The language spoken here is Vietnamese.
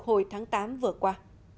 hồi tháng tám vừa qua